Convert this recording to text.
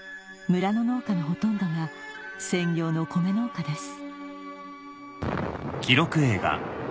村の農家のほとんどが専業のコメ農家です